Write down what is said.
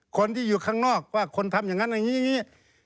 คนที่อยู่ข้างนอกว่าคนทำอย่างนั้นอย่างนี้อย่างนี้